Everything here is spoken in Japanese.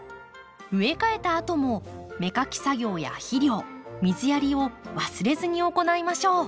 植え替えたあとも芽かき作業や肥料水やりを忘れずに行いましょう。